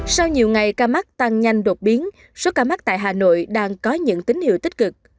sau nhiều ngày ca mắc tăng nhanh đột biến số ca mắc tại hà nội đang có những tín hiệu tích cực